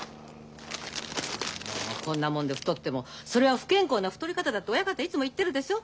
こんなもので太ってもそれは不健康な太り方だって親方いつも言ってるでしょ。